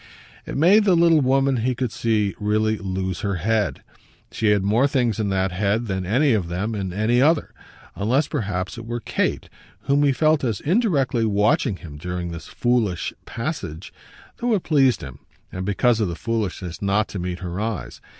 It made the little woman, he could see, really lose her head. She had more things in that head than any of them in any other; unless perhaps it were Kate, whom he felt as indirectly watching him during this foolish passage, though it pleased him and because of the foolishness not to meet her eyes.